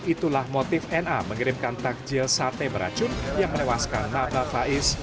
itulah motif na mengirimkan takjil sate beracun yang menewaskan naba faiz